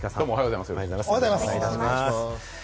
おはようございます。